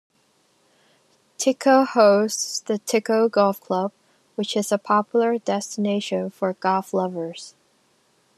Tiko hosts the Tiko Golf Club, which is a popular destination for golf lovers.